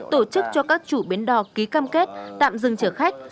tổ chức cho các chủ bến đò ký cam kết tạm dừng chở khách